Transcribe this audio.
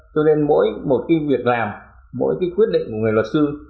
cho nên mỗi một cái việc làm mỗi cái quyết định của người luật sư